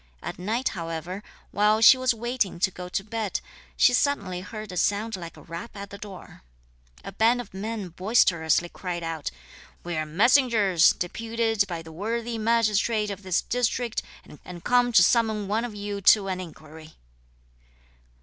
At night, however, while she was waiting to go to bed, she suddenly heard a sound like a rap at the door. A band of men boisterously cried out: "We are messengers, deputed by the worthy magistrate of this district, and come to summon one of you to an enquiry."